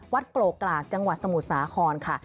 โกกรากจังหวัดสมุทรสาครค่ะ